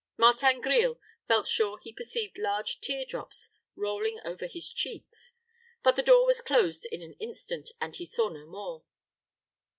Martin Grille felt sure he perceived large tear drops rolling over his cheeks; but the door was closed in an instant, and he saw no more.